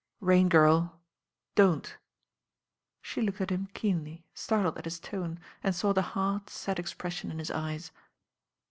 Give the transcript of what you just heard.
••Rain Girl, don't." She looked at him keenly, startled at his tone, and saw the hard, set expression in his eyes.